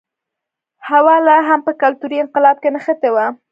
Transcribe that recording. هوا لا هم په کلتوري انقلاب کې نښتی و.